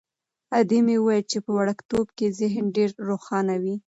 ادې مې ویل چې په وړکتوب کې ذهن ډېر روښانه وي.